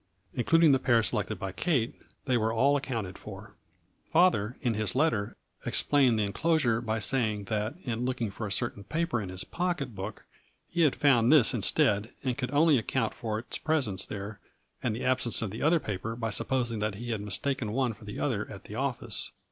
Including the pair selected by Kate, they were all accounted for. 218 A FLURRY IN DIAMONDS. Father, in his letter, explained the enclosure by saying, that in looking for a certain paper in his pocket book he had found this instead, and could only account for its presence there and the absence of the other paper by suppos ing that he had mistaken one for the other at the office.